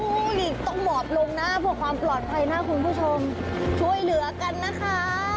หลีกต้องหมอบลงนะเพื่อความปลอดภัยนะคุณผู้ชมช่วยเหลือกันนะคะ